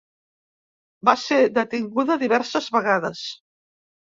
Va ser detinguda diverses vegades.